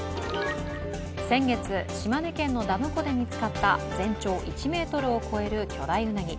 先月、島根県のダム湖で見つかった全長１ｍを超える巨大うなぎ。